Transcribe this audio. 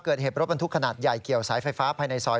เกิดเหตุรถบรรทุกขนาดใหญ่เกี่ยวสายไฟฟ้าภายในซอย